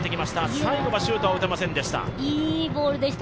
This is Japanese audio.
最後はシュートが打てませんでした。